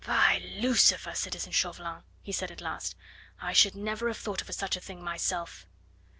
"By Lucifer, citizen Chauvelin," he said at last, "I should never have thought of such a thing myself."